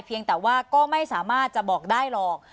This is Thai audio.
เพียงแต่ว่าก็ไม่สามารถจะบอกได้หรอก